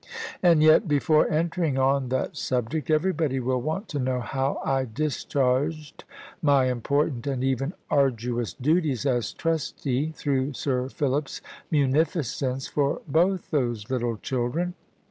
And yet before entering on that subject, everybody will want to know how I discharged my important and even arduous duties as trustee through Sir Philip's munificence for both those little children.